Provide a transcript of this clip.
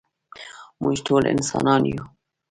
مونږ ټول انسانان يو.